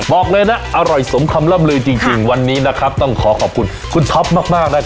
บอกเลยนะอร่อยสมคำล่ำลือจริงวันนี้นะครับต้องขอขอบคุณคุณท็อปมากนะครับ